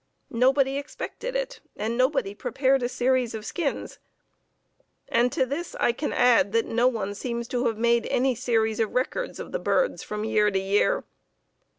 Nobody expected it and nobody prepared a series of skins"; and to this I can add that no one seems to have made any series of records of the birds from year to year.